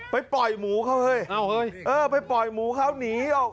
ไปปล่อยหมูเขาฮ่ยไปปล่อยหมูเขานี